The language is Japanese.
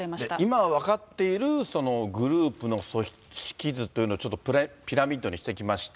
今分かっているグループの組織図というのを、ちょっとピラミッドにしてみました。